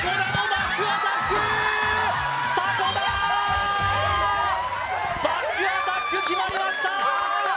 バックアタック決まりました